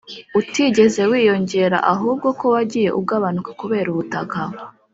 utigeze wiyongera, ahubwo ko wagiye ugabanuka kubera ubutaka